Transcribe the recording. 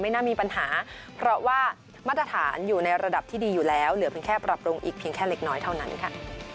น่ามีปัญหาเพราะว่ามาตรฐานอยู่ในระดับที่ดีอยู่แล้วเหลือเพียงแค่ปรับปรุงอีกเพียงแค่เล็กน้อยเท่านั้นค่ะ